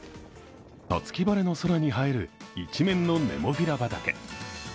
五月晴れの空に映える一面のネモフィラ畑。